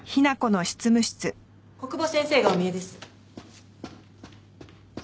小久保先生がお見えです。